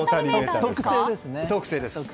特製です。